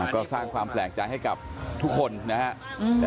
ก็สร้างความแปลกใจให้กับทุกคนนะครับ